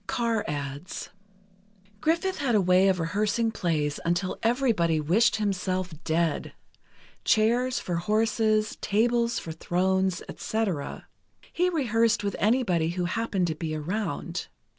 Carr adds: Griffith had a way of rehearsing plays until everybody wished himself dead—chairs for horses—tables for thrones, etc. He rehearsed with anybody who happened to be around.